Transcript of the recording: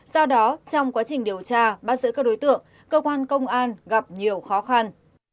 do đó trong quá trình điều tra bắt giữ các đối tượng cơ quan công an gặp nhiều khó khăn